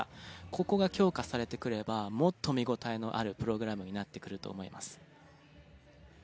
ここが強化されてくればもっと見応えのあるプログラムになってくると思います。